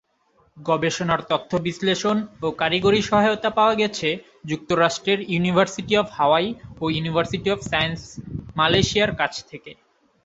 গবেষণার তথ্য বিশ্লেষণ ও কারিগরি সহায়তা পাওয়া গেছে যুক্তরাষ্ট্রের ইউনিভার্সিটি অব হাওয়াই ও ইউনিভার্সিটি অব সায়েন্স মালয়েশিয়ার কাছ থেকে।